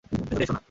ভেতরে এসো না।